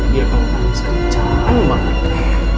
dia mau manis kencang banget